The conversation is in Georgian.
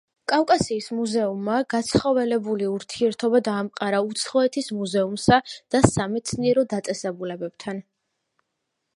კავკასიის მუზეუმმა გაცხოველებული ურთიერთობა დაამყარა უცხოეთის მუზეუმსა და სამეცნიერო დაწესებულებებთან.